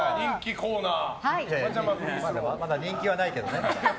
まだ人気はないけどね。